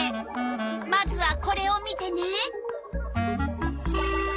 まずはこれを見てね。